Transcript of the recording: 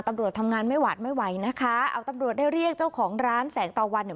ตำรวจทำงานไม่หวาดไม่ไหวนะคะเอาตำรวจได้เรียกเจ้าของร้านแสงตะวันเนี่ย